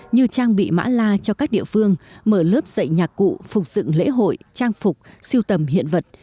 như trang bị mã la cho các địa phương mở lớp dạy nhạc cụ phục dựng lễ hội trang phục siêu tầm hiện vật